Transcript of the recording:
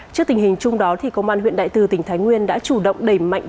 trước tình hình chung đó công an huyện đại từ tỉnh thái nguyên đã chủ động đẩy mạnh